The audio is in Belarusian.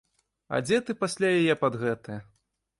А дзе ты пасля яе пад гэтае?